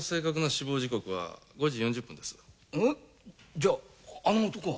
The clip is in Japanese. じゃああの男は？